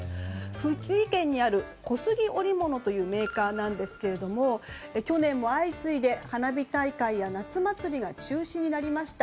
福井県にある小杉織物というメーカーですが去年も相次いで花火大会や夏祭りが中止になりました。